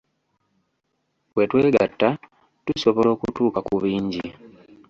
Bwe twegatta, tusobola okutuuka ku bingi.